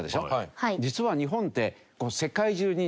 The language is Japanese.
実は日本って。